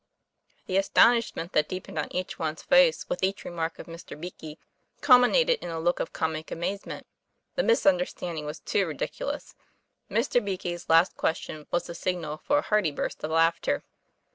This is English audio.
The astonishment that deepened on each one's face with each remark of Mr. Beakey culminated in a look of comic amazement; the misunderstanding was too ridiculous. Mr. Beakey's last question was the signal for a hearty burst of laughter.